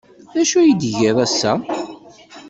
D acu ay tgiḍ ass-a?